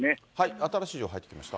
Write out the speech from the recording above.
新しい情報入ってきました。